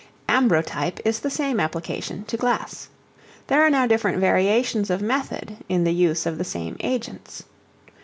Ambrotype is the same application to glass. There are now different variations of method in the use of the same agents.